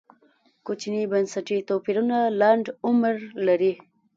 کوچني بنسټي توپیرونه لنډ عمر لري.